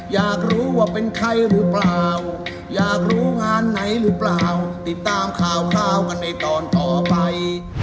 อยากรู้ว่าเป็นใครหรือเปล่าอยากรู้งานไหนหรือเปล่าติดตามข่าวกันในตอนต่อไป